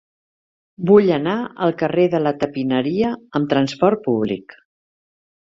Vull anar al carrer de la Tapineria amb trasport públic.